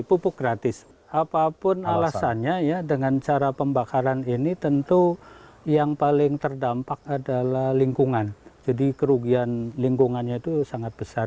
pupuk gratis apapun alasannya ya dengan cara pembakaran ini tentu yang paling terdampak adalah lingkungan jadi kerugian lingkungannya itu sangat besar